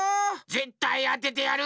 ぜったいあててやる！